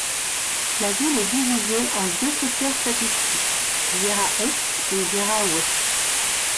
La ville est divisée en deux secteurs statistiques, Viera Est et Viera Ouest.